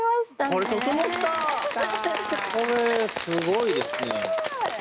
これすごいですね。